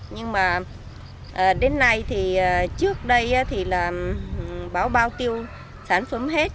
nhưng mà đến nay thì trước đây thì là báo bao tiêu sản phẩm hết